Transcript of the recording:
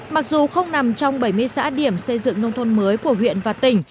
mặc dù không nằm trong bảy mươi xã điểm xây dựng nông thôn mới của huyện và tỉnh